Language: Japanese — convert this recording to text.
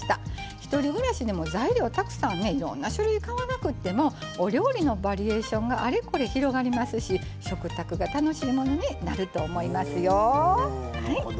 １人暮らしでも材料たくさんいろんな種類、買わなくてもお料理のバリエーションがあれこれ広がりますし食卓が楽しいものになると思いますよ。